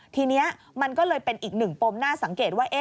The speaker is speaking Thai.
ทีนี้มันก็เลยเป็นอีกหนึ่งปมน่าสังเกตว่า